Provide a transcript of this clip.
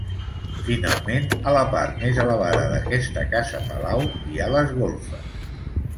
Finalment a la part més elevada d'aquesta casa-palau hi ha les golfes.